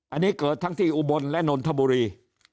อันนี้เกิดทั้งที่อุบลและนนทบุรี